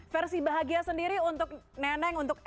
versi bahagia sendiri untuk neneng untuk